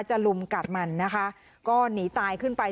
ลุมกัดมันนะคะก็หนีตายขึ้นไป